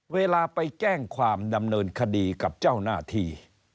เวลาไปแจ้งความดำเนินคดีกับเจ้าหน้าที่